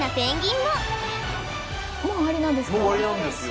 もう終わりなんですよ